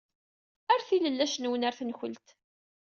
Rret ilellac-nwen ɣer tenkult.